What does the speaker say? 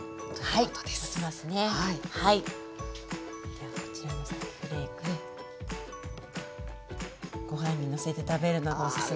ではこちらのさけフレークご飯にのせて食べるのがおすすめですねやっぱり。